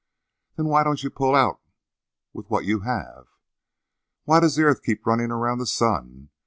"Then why don't you pull out with what you have?" "Why does the earth keep running around the sun?